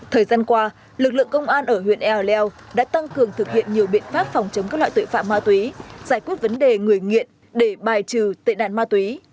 thời gian qua lực lượng công an ở huyện ea leo đã tăng cường thực hiện nhiều biện pháp phòng chống các loại tội phạm ma túy giải quyết vấn đề người nghiện để bài trừ tệ nạn ma túy